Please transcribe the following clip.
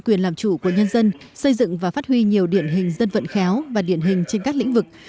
quyền làm chủ của nhân dân xây dựng và phát huy nhiều điển hình dân vận khéo và điển hình trên các lĩnh vực